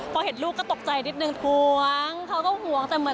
พอเห็นลูกก็ตกใจนิดหนึ่งห่วงเขาก็ห่วง